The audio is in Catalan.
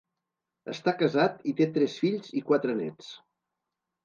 Està casat i té tres fills i quatre néts.